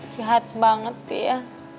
lihat banget dia